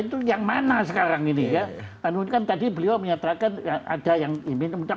pertanyaan saya pertama saya tertarik sekali kepada istilah minum jengkol makan jengkol dan minum wine